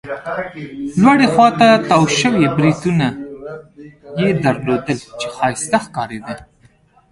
لوړې خوا ته تاو شوي بریتونه يې درلودل، چې ښایسته ښکارېده.